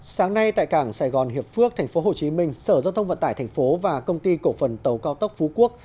sáng nay tại cảng sài gòn hiệp phước tp hcm sở giao thông vận tải thành phố và công ty cổ phần tàu cao tốc phú quốc